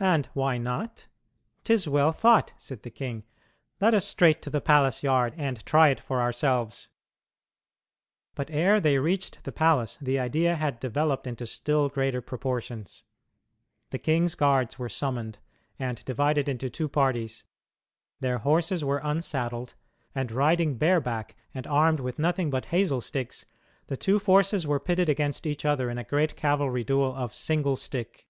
"And why not? 'Tis well thought," said the king. "Let us straight to the palace yard and try it for ourselves." But ere they reached the palace the idea had developed into still greater proportions. The king's guards were summoned, and divided into two parties. Their horses were unsaddled, and, riding "bareback" and armed with nothing but hazel sticks, the two forces were pitted against each other in a great cavalry duel of "single stick."